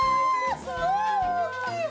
すごい大きい！